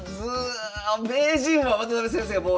名人は渡辺先生が防衛。